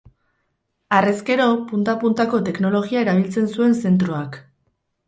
Harrezkero, punta-puntako teknologia erabiltzen zuen zentroak.